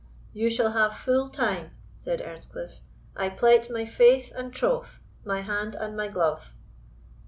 "You shall have full time," said Earnscliff; "I plight my faith and troth, my hand and my glove."